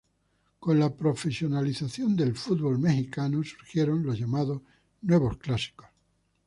Con la profesionalización del fútbol mexicano surgieron los llamados nuevos clásicos.